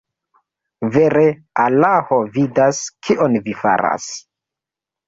Vere Alaho vidas, kion vi faras.